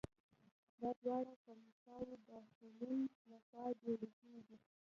دا دواړه کلیساوې د هیلن له خوا جوړې شوي دي.